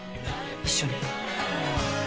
一緒に。